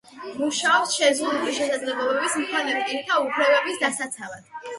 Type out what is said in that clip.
მუშაობს შეზღუდული შესაძლებლობის მქონე პირთა უფლებების დასაცავად.